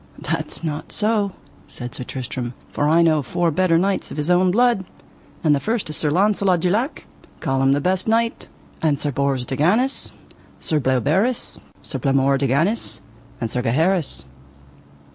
That is not so, said Sir Tristram, for I know four better knights of his own blood, and the first is Sir Launcelot du Lake, call him the best knight, and Sir Bors de Ganis, Sir Bleoberis, Sir Blamore de Ganis, and Sir Gaheris.